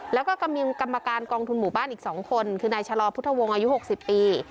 แล้วก็มีกรรมการกองทุนหมู่บ้านอีก๒คนคือนายชะลอพุทธวงศ์อายุ๖๐ปี